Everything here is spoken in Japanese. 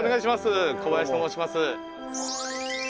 小林と申します。